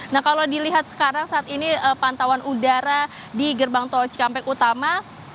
nah kalau dilihat sekarang saat ini pantauan udara di gerbang tol cikampek utama